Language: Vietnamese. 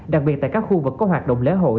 đặc biệt tại các khu vực có hoạt động lễ hội